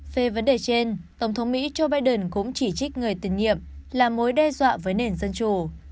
về vấn đề trên tổng thống mỹ joe biden cũng chỉ trích người tiền nhiệm là mối đe dọa với nền dân chủ